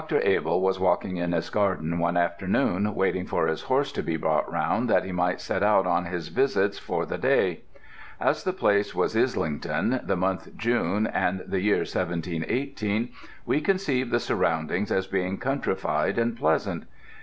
Dr. Abell was walking in his garden one afternoon waiting for his horse to be brought round that he might set out on his visits for the day. As the place was Islington, the month June, and the year 1718, we conceive the surroundings as being countrified and pleasant.